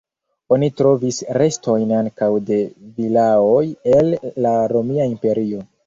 Oni trovis restojn ankaŭ de vilaoj el la Romia Imperio.